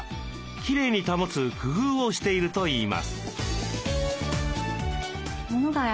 きれいに保つ工夫をしているといいます。